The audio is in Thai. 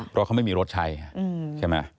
เพราะเขาไม่มีรถใช้ใช่ไหม